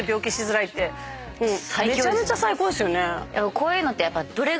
こういうのってやっぱ。